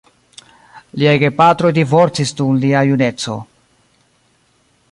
Liaj gepatroj divorcis dum lia juneco.